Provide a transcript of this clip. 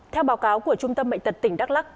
theo báo cáo của trung tâm bệnh tật tỉnh đắk lắc